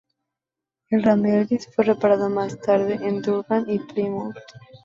El Ramillies fue reparado más tarde en Durban y Plymouth.